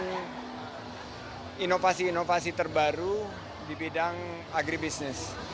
dengan inovasi inovasi terbaru di bidang agribisnis